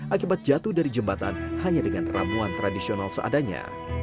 akibat jatuh dari jembatan hanya dengan ramuan tradisional seadanya